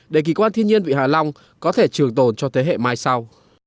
để kỳ quan thiên nhiên vị hạ long có thể trường tồn cho thế hệ mai sau